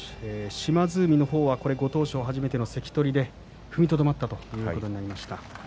島津海の方はご当所初めての関取で踏みとどまったということになりました。